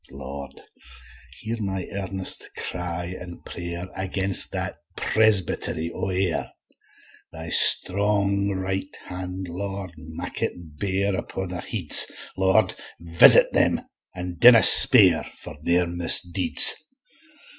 Lord, hear my earnest cry and pray'r, Against that Presbyt'ry o' Ayr; Thy strong right hand, Lord, make it bare Upo' their heads; Lord visit them, an' dinna spare, For their misdeeds.